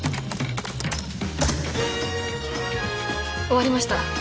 終わりました。